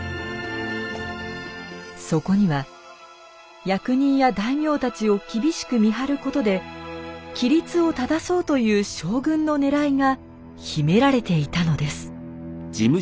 そこには役人や大名たちを厳しく見張ることで規律を正そうという将軍のねらいが秘められていたのです。